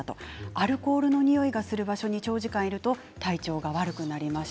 アルコールのにおいがする場所に長時間いると体調が悪くなります。